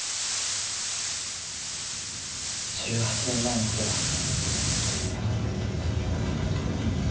１８年前のことだ。